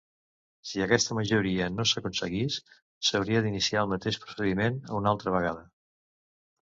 Si aquesta majoria no s'aconseguís, s'hauria d'iniciar el mateix procediment una altra vegada.